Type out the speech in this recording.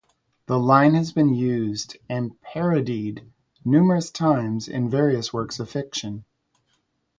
The line has been used and parodied numerous times in various works of fiction.